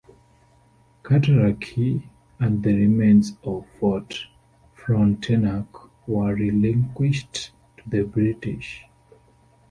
Cataraqui and the remains of Fort Frontenac were relinquished to the British.